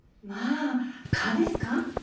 まあ蚊ですか？